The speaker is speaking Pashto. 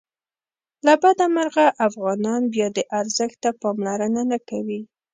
له بده مرغه افغانان بیا دې ارزښت ته پاملرنه نه کوي.